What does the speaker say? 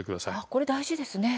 これ大事ですね。